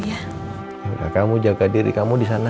ya juga kamu jaga diri kamu disana